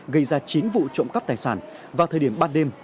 gây ra chín vụ trộm cắp tài sản vào thời điểm ban đêm